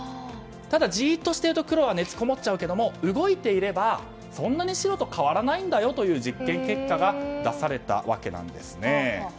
ただ、じっとしていると黒は熱がこもっちゃうけども動いていればそんなに白と変わらないんだよという実験結果が出されたわけです。